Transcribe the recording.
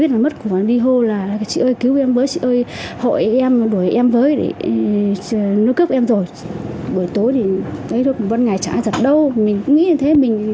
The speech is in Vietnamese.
làm thuận ngày trả giật đâu mình nghĩ thế